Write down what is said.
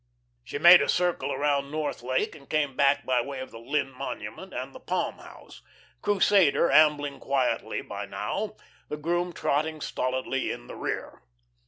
She made a circle around North Lake, and came back by way of the Linne monument and the Palm House, Crusader ambling quietly by now, the groom trotting stolidly in the rear.